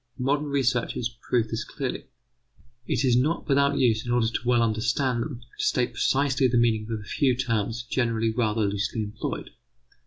Modern researches prove this clearly. It is not without use, in order to well understand them, to state precisely the meaning of a few terms generally rather loosely employed.